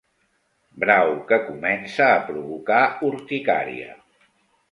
Brau que comença a provocar urticària.